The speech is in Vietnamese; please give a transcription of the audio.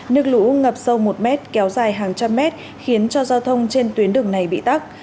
nước lũ ngập sâu một mét kéo dài hàng trăm mét khiến cho giao thông trên tuyến đường này bị tắt